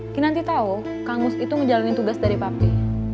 kinanti tahu kang mus itu menjalani tugas dari papi